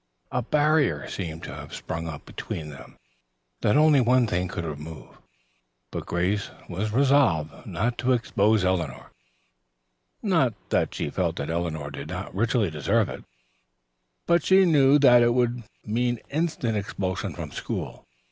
A barrier seemed to have sprung up between them, that only one thing could remove, but Grace was resolved not to expose Eleanor not that she felt that Eleanor did not richly deserve it, but she knew that it would mean instant expulsion from school.